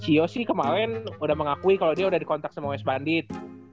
cio sih kemaren udah mengakui kalo dia udah dikontak sama west bandit